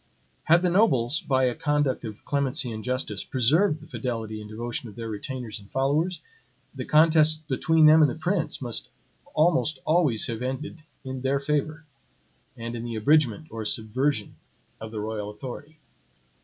Had the nobles, by a conduct of clemency and justice, preserved the fidelity and devotion of their retainers and followers, the contests between them and the prince must almost always have ended in their favor, and in the abridgment or subversion of the royal authority.